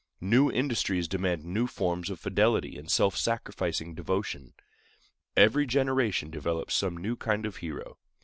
New industries demand new forms of fidelity and self sacrificing devotion. Every generation develops some new kind of hero.